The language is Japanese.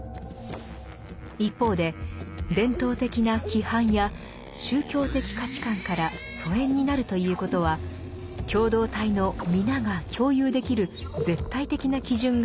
一方で伝統的な規範や宗教的価値観から疎遠になるということは共同体の皆が共有できる絶対的な基準がないということ。